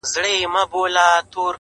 پرون مُلا وو کتاب پرانیستی-